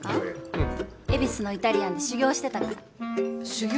うん恵比寿のイタリアンで修業してたから修業？